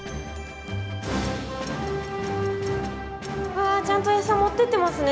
わあちゃんとエサ持ってってますね。